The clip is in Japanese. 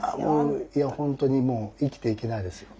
いや本当にもう生きていけないですよ。